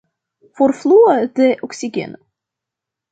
Forfluo de oksigeno.